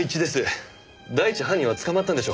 第一犯人は捕まったんでしょう？